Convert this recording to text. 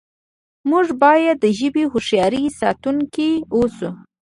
موږ باید د ژبې هوښیار ساتونکي اوسو.